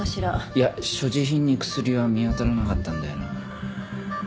いや所持品に薬は見当たらなかったんだよな。